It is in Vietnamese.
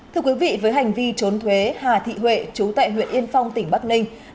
thưa quý vị với hành vi trốn thuế hà thị huệ chú tại huyện yên phong tỉnh bắc ninh